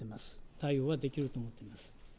対応はできると思っています。